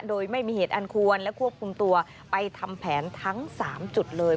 โดยไม่มีเหตุอันควรและควบคุมตัวไปทำแผนทั้ง๓จุดเลย